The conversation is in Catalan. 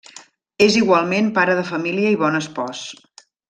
És igualment pare de família i bon espòs.